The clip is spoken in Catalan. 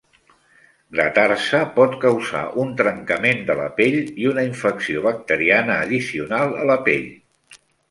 Gratar-se pot causar un trencament de la pell i una infecció bacteriana addicional a la pell.